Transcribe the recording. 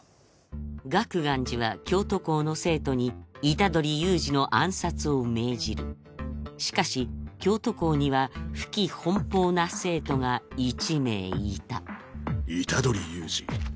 楽巌寺は京都校の生徒に虎杖悠仁の暗殺を命じるしかし京都校には不羈奔放な生徒が一名いた虎杖悠仁